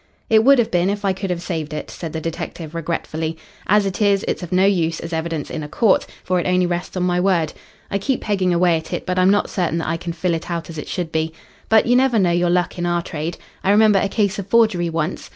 "It would have been if I could have saved it," said the detective regretfully. "As it is, it's of no use as evidence in a court, for it only rests on my word. I keep pegging away at it, but I'm not certain that I can fill it out as it should be. But you never know your luck in our trade. I remember a case of forgery once.